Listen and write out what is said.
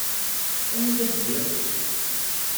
Anida teddiḍ?